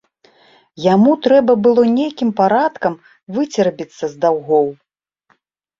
Яму трэба было нейкім парадкам выцерабіцца з даўгоў.